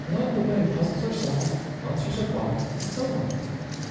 Along the way puzzles are solved, monsters are fought, and so on.